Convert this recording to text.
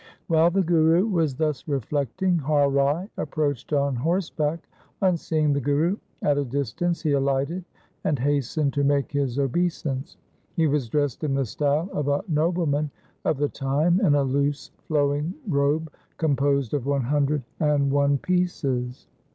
While the Guru was thus reflecting, Har Rai approached on horseback. On seeing the Guru at a distance he alighted and hastened to make his obeisance. He was dressed in the style of a noble man of the time in a loose flowing robe composed of one hundred and one pieces.